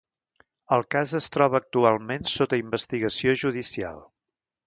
El cas es troba actualment sota investigació judicial.